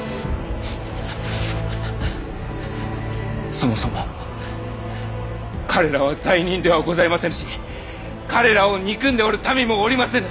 そもそも彼らは罪人ではございませぬし彼らを憎んでおる民もおりませぬ。